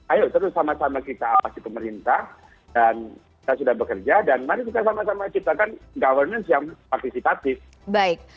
ayo terus sama sama kita awasi pemerintah dan kita sudah bekerja dan mari kita sama sama ciptakan governance yang partisipatif